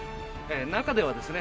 中ではですね